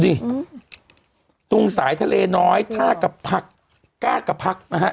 ตรงสายทะเลน้อยท่ากับพักกล้ากับพักนะฮะ